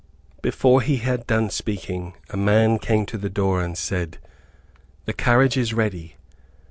Before he had done speaking, a man came to the door and said, "The carriage is ready."